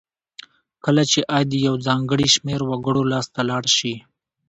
کله چې عاید یو ځانګړي شمیر وګړو لاس ته لاړ شي.